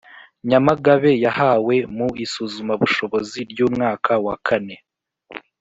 Nyamagabe yahawe mu isuzumabushobozi ry umwaka wakane